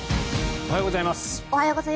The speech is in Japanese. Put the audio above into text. おはようございます。